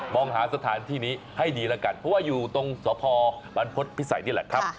มองหาสถานที่นี้ให้ดีแล้วกันเพราะว่าอยู่ตรงสพบรรพฤษภิษัยนี่แหละครับ